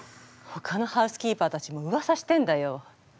ほかのハウスキーパーたちもうわさしてんだよ。